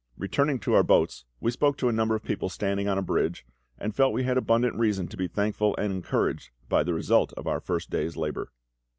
Returning to our boats, we spoke to a number of people standing on a bridge, and felt we had abundant reason to be thankful and encouraged by the result of our first day's labour.